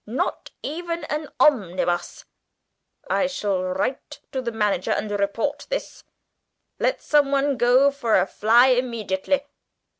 Not even an omnibus! I shall write to the manager and report this. Let some one go for a fly immediately.